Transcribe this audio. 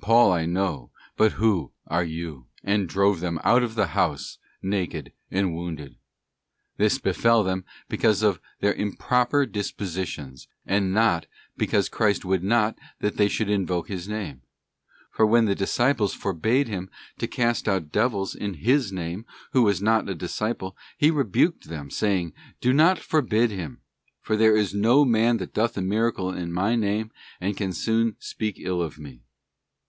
Paul I know, but who are you?'* and drove them out of the house naked and wounded. This befell them because of their improper dispositions, and not because Christ would not that they should invoke His name; for when the disciples forbade him to cast out devils in His name, who was not a disciple, He rebuked them, saying, 'Do not forbid him: for there is no man that doth a miracle in My name, and can soon speak ill of Me.